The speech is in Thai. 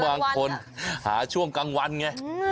บางคนหาช่วงกลางวันไง